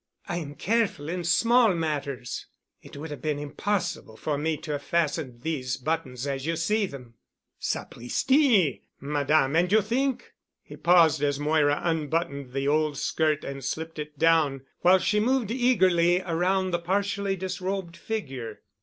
I am careful in small matters. It would have been impossible for me to have fastened these buttons as you see them." "Sapristi! Madame—And you think——?" He paused as Moira unbuttoned the old skirt and slipped it down while she moved eagerly around the partially disrobed figure.